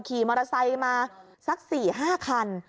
ขี่มอเตอร์ไซค์มาสัก๔๕คัน